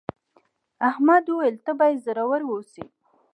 احمد وویل ته باید زړور اوسې.